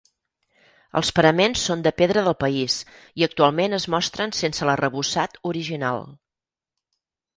Els paraments són de pedra del país i actualment es mostren sense l'arrebossat original.